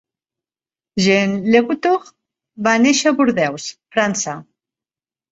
Jean Lacouture va néixer a Bordeus, França.